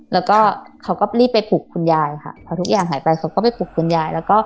แล้วก็เขาก็รีบไปปลุกคุณยายค่ะพอทุกอย่างหายไปเขาก็ไปปลุกคุณยายแล้วก็